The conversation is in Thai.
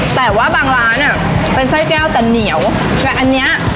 แต่ว่าบางร้านอ่ะเป็นไส้แก้วแต่เหนียวแต่อันเนี้ย